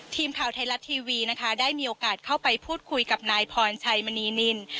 ทีมข่าวไทยรัฐทีวีนะคะได้มีโอกาสเข้าไปพูดคุยกับนายพรชัยมณีนิน